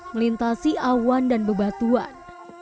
melintasi awan dan bebatuan